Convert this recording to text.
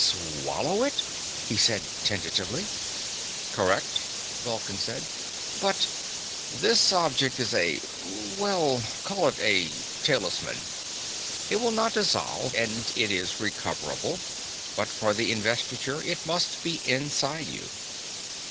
"Swallow it?" he said tentatively. "Correct," Vulcan said. "But " "This object is a well, call it a talisman. It will not dissolve, and it is recoverable, but for the Investiture it must be inside you."